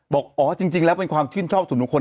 บอกอ๋อจริงแล้วเป็นความชื่นชอบส่วนบุคคล